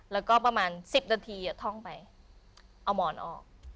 แล้วก็ประมาณ๑๐นาทีท่องไปเอาหมอนออก